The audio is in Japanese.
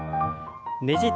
ねじって。